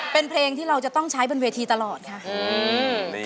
เป็นเพลงที่เราจะต้องใช้บนเวทีตลอดค่ะ